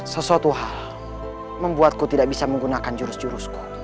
sesuatu hal membuatku tidak bisa menggunakan jurus jurusku